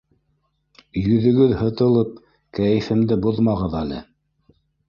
Йөҙөгөҙ һытылып — кәйефемде боҙмағыҙ әле.